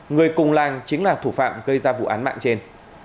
người cùng lan chính là thủ phạm gây ra vụ án mạng trên